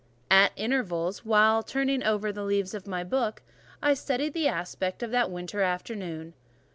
At intervals, while turning over the leaves of my book, I studied the aspect of that winter afternoon.